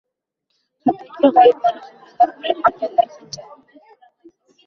Hattoki g’oyibona xomilador bo’lib olganlar qancha.